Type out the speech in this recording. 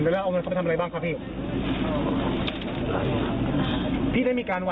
เดี๋ยวจะฝากขอโทษอนุญาตเขาไหมครับพี่